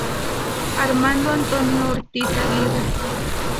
Armando Antonio Ortiz Aguirre.